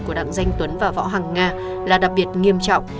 của đặng danh tuấn và võ hoàng nga là đặc biệt nghiêm trọng